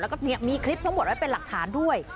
แล้วก็มีคลิปทั้งหมดไว้เป็นหลักฐานด้วย